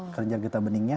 kelenjar getah beningnya